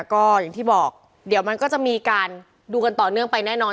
ก็อย่างที่บอกเดี๋ยวมันก็จะมีการดูกันต่อเนื่องไปแน่นอน